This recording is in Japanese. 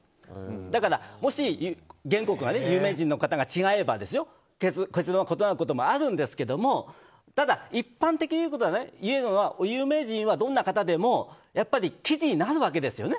だからもし原告の有名人の方が違えば、結論が異なることもあるんですけどただ、一般的に言うのは有名人はどんな方でも記事になるわけですよね。